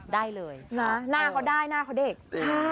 ได้เลยหน้าเขาได้หน้าเขาเด็กโอ้โฮค่ะ